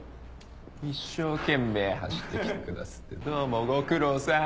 一生懸命走って来てくだすってどうもご苦労さん。